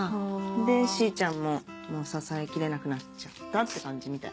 でしーちゃんも支えきれなくなっちゃったって感じみたい。